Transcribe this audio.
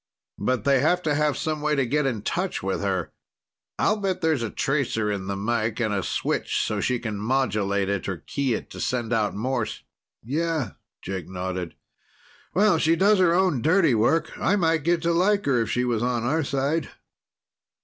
But they have to have some way to get in touch with her. I'll bet there's a tracer in the mike and a switch so she can modulate it or key it to send out Morse." "Yeah," Jake nodded. "Well, she does her own dirty work. I might get to like her if she was on our side.